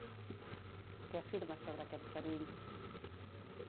Què afirma sobre aquests perills?